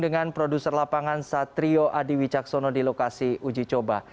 dengan produser lapangan satrio adi wicaksono di lokasi uji coba